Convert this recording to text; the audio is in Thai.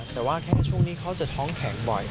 แต่ว่าแค่ช่วงนี้เขาจะท้องแข็งบ่อย